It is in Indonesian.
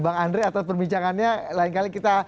bang andre atas perbincangannya lain kali kita